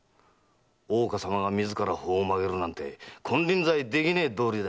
大岡様が自ら法を曲げるなんて金輪際できねえ道理だ。